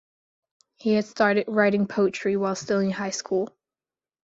He had started writing poetry while still in high school.